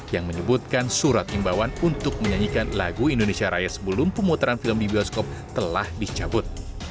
yang menyebutkan surat imbauan untuk menyanyikan lagu indonesia raya sebelum pemutaran film di bioskop telah dicabut